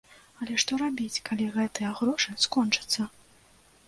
Але што рабіць, калі гэтыя грошы скончацца?